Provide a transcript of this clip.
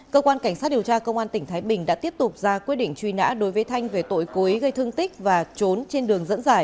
cơ quan cảnh sát điều tra công an tỉnh thái bình đã tiếp tục ra quyết định truy nã đối với thanh về tội cố ý gây thương tích và trốn trên đường dẫn giải